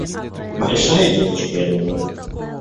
Большая девочка, я думаю?